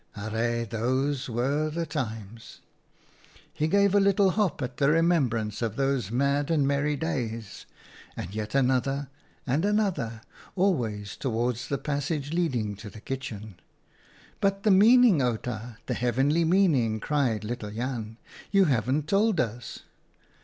Arre, those were the times !" He gave a little hop at the remembrance of those mad and merry days, and yet another and another, always towards the passage lead ing to the kitchen. " But the meaning, Outa, the heavenly meaning!" cried little Jan. "You haven't told us."